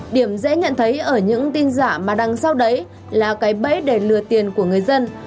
điểm dễ nhận thấy ở những tin giả mà đằng sau đấy là cái bẫy để lừa tiền của người dân